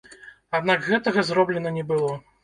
Аднак гэтага зроблена не было.